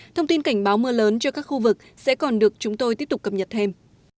thông tin cảnh báo mưa lớn cho các khu vực sẽ còn được chúng tôi tiếp tục cập nhật thêm